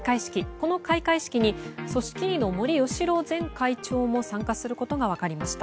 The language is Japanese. この開会式に組織委の森喜朗前会長も参加することが分かりました。